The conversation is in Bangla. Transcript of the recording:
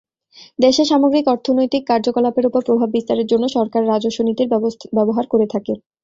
দেশের সামগ্রিক অর্থনৈতিক কার্যকলাপের উপর প্রভাব বিস্তারের জন্য সরকার রাজস্ব নীতির ব্যবহার করে থাকে।